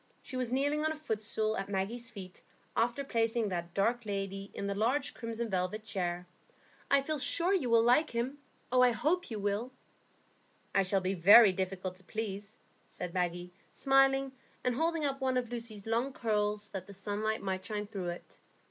She was kneeling on a footstool at Maggie's feet, after placing that dark lady in the large crimson velvet chair. "I feel sure you will like him. I hope you will." "I shall be very difficult to please," said Maggie, smiling, and holding up one of Lucy's long curls, that the sunlight might shine through it.